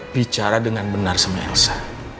bicara dengan benar seme elsa